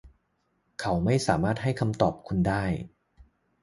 เขาไม่สามารถให้คำตอบคุณได้